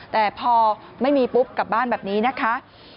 แต่พอไม่มีปุ๊บกลับบ้านแบบนี้นะคะ